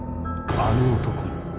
あの男に。